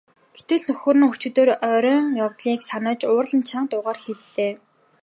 Гэтэл нөхөр нь өчигдөр оройн явдлыг санаж уурлан чанга дуугаар хэллээ.